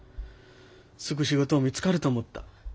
すぐ仕事見つかると思った。